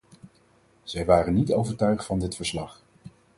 Zij waren niet overtuigd van dit verslag.